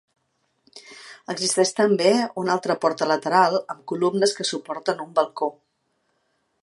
Existeix també una altra porta lateral amb columnes que suporten un balcó.